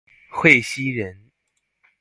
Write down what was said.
讳熙仁。